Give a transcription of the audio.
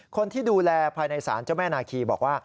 คนที่ดูแลภายในศาลเจ้าแม่นาคีบอกว่า